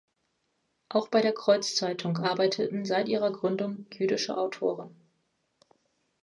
Auch bei der Kreuzzeitung arbeiteten seit ihrer Gründung jüdische Autoren.